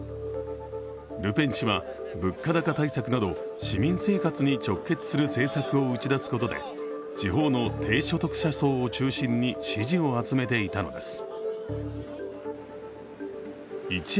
ルペン氏は、物価高対策など市民生活に直結する政策を打ち出すことで地方の低所得者層を中心に支持を集めていたのです。